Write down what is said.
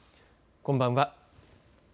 こんばんは。